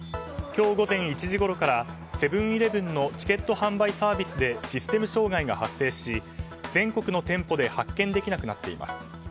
今日午前１時ごろからセブン‐イレブンのチケット販売サービスでシステム障害が発生し全国の店舗で発券できなくなっています。